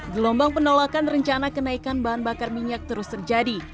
gelombang penolakan rencana kenaikan bahan bakar minyak terus terjadi